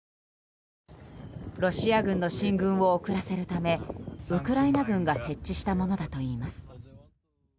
ロシア軍の進軍を遅らせるためウクライナ軍が設置したものだといいます。